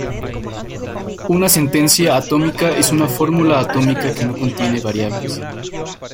Una sentencia atómica es una fórmula atómica que no contiene variables.